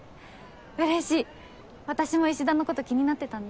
嬉しい私も石田のこと気になってたんだ。